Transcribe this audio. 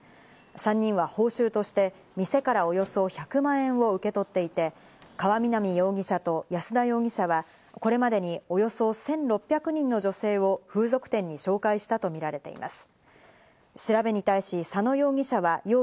３人は報酬として店からおよそ１００万円を受け取っていて、川南容疑者と安田容疑者は、これまでにおよそ１６００人の女性を風俗店に紹介したとみられています。